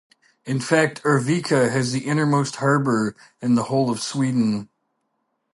In fact, Arvika has the innermost harbour in the whole of Sweden.